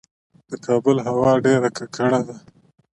د کابل هوا ډیره ککړه ده